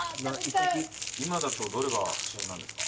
今だとどれが旬なんですか？